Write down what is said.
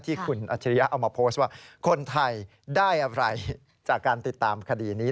ที่คุณอัจฉริยะเอามาโพสต์ว่าคนไทยได้อะไรจากการติดตามคดีนี้